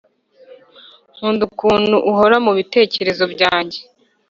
nkunda ukuntu uhora mubitekerezo byanjye